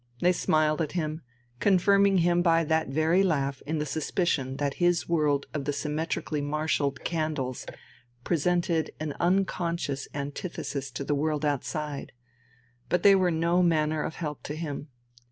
They smiled at him, confirming him by that very laugh in the suspicion that his world of the symmetrically marshalled candles presented an unconscious antithesis to the world outside, but they were no manner of help to him.